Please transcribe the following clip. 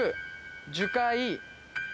樹海。